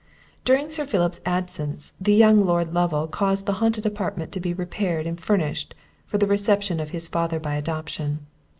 During Sir Philip's absence, the young Lord Lovel caused the haunted apartment to be repaired and furnished for the reception of his father by adoption.